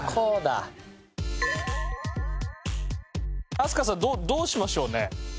飛鳥さんどうしましょうね？